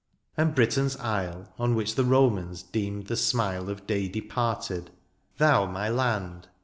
And Britain^s isle. On which the Romans deemed the smile Of day departed ; thou, my land.